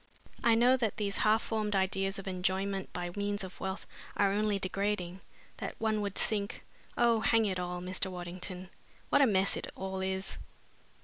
I know that these half formed ideas of enjoyment by means of wealth are only degrading, that one would sink oh, hang it all, Mr. Waddington, what a mess it all is!"